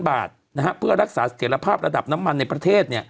จำนวนหมื่นล้านบาทเพื่อรักษาเสียรภาพระดับน้ำมันในประเทศ